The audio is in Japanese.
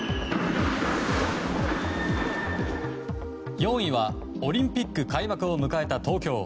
４位はオリンピック開幕を迎えた東京。